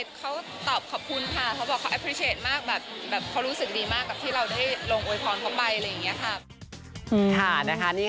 ที่เราได้ลงโอไฟฟอร์นเข้าไปอะไรอย่างนี้ค่ะ